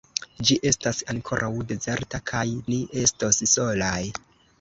Ĝi estas ankoraŭ dezerta, kaj ni estos solaj.